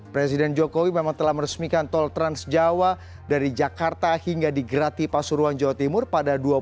presiden jokowi memang telah meresmikan tol transjawa dari jakarta hingga di grati pasuruan jawa timur pada dua ribu dua puluh